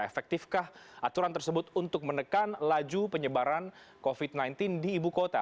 efektifkah aturan tersebut untuk menekan laju penyebaran covid sembilan belas di ibu kota